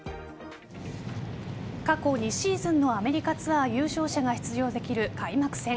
過去２シーズンのアメリカツアー優勝者が出場できる開幕戦。